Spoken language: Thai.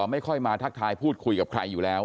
ไม่ค่อยมาทักทายพูดคุยกับใครอยู่แล้ว